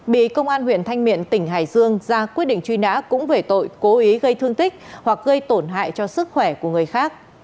bị công an huyện thanh miện tỉnh hải dương ra quyết định truy nã cũng về tội cố ý gây thương tích hoặc gây tổn hại cho sức khỏe của người khác